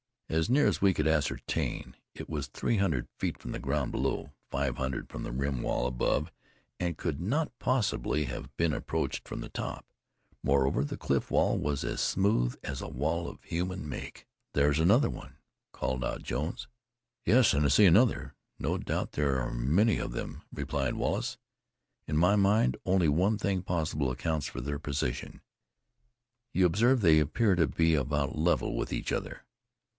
As near as we could ascertain, it was three hundred feet from the ground below, five hundred from the rim wall above, and could not possibly have been approached from the top. Moreover, the cliff wall was as smooth as a wall of human make. "There's another one," called out Jones. "Yes, and I see another; no doubt there are many of them," replied Wallace. "In my mind, only one thing possible accounts for their position. You observe they appear to be about level with each other.